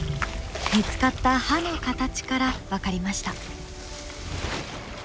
見つかった歯の形から分かりました。